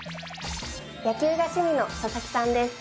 野球が趣味の佐々木さんです。